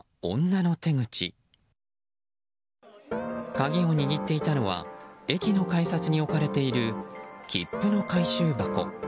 鍵を握っていたのは駅の改札に置かれている切符の回収箱。